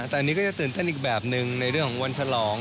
แต่อันนี้ก็จะตื่นเต้นอีกแบบหนึ่งในเรื่องของวันฉลอง